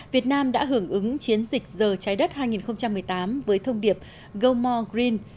việt nam đã hưởng ứng chiến dịch giờ trái đất hai nghìn một mươi tám với thông điệp gomor green